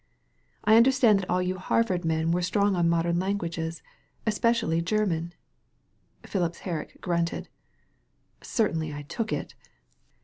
"I understood that all you Harvard men were strong on modem lan guages, especially German." Phipps Herrick grunted. "Certainly I took it.